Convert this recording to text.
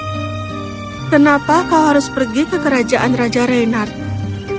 kenapa kau harus pergi ke kerajaan raja reynard